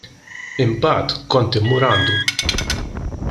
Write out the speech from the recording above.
Imbagħad kont immur għandu.